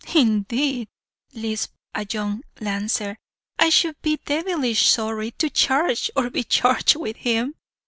"'Indeed,' lisped a young lancer, 'I should be devilish sorry to charge, or be charged with him.'